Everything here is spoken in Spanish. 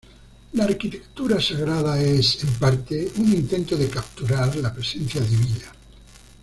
La arquitectura sagrada es, en parte, un intento de capturar la presencia divina.